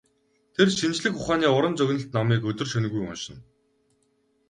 Тэр шинжлэх ухааны уран зөгнөлт номыг өдөр шөнөгүй уншина.